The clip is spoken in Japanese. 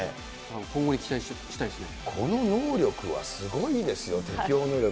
今後に期待したいですね。